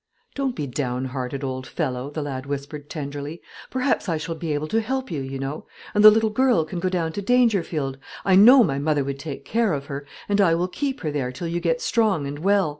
"Don't be down hearted, old fellow," the lad whispered, tenderly; "perhaps I shall be able to help you, you know. And the little girl can go down to Dangerfield; I know my mother would take care of her, and will keep her there till you get strong and well.